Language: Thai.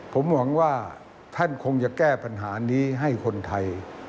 ผมหวังว่าท่านคงจะแก้ปัญหานี้ให้คนไทย